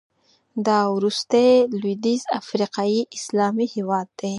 دا وروستی لوېدیځ افریقایي اسلامي هېواد دی.